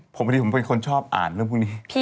ผมปกติค่อนข้างเป็นคนชอบอ่านเรื่องพวกนี้